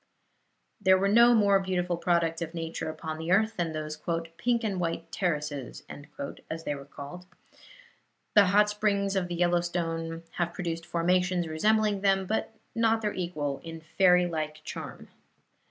There were no more beautiful products of nature upon the earth than those "pink and white terraces," as they were called. The hot springs of the Yellowstone have produced formations resembling them, but not their equal in fairy like charm.